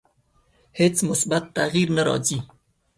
هیڅ مثبت تغییر نه راځي.